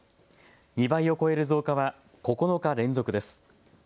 ２倍を超える増加は９日連続です。